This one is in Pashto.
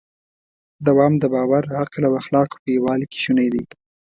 دوام د باور، عقل او اخلاقو په یووالي کې شونی دی.